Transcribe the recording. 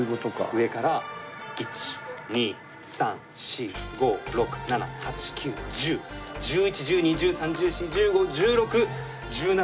上から１２３４５６７８９１０１１１２１３１４１５１６１７です。